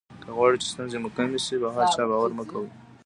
که غواړی چې ستونزې مو کمې شي په هر چا باور مه کوئ.